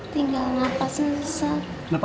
tinggal nafasnya susah